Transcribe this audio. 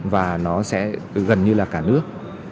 và nó sẽ gần như là cả nước